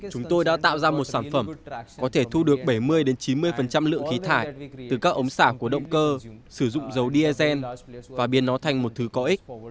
chúng tôi đã tạo ra một sản phẩm có thể thu được bảy mươi chín mươi lượng khí thải từ các ống xả của động cơ sử dụng dầu diesel và biến nó thành một thứ có ích